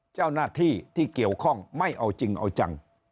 เจ้าหน้าที่ที่เกี่ยวข้องไม่เอาจริงเอาจัง